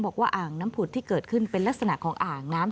อ่างน้ำผุดที่เกิดขึ้นเป็นลักษณะของอ่างน้ำ